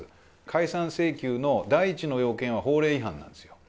解散請求の第一の要件は、法令違反なんですよ。